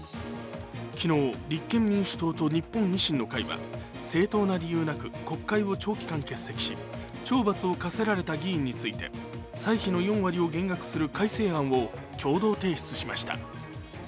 昨日、立憲民主党と日本維新の会は正当な理由なく国会を長期間欠席し、懲罰を科せられた議員について、歳費の４割を減額する改正案を共同提出しました。